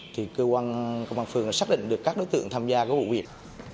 thì công an phường xác định được các đối tượng tham gia vụ việc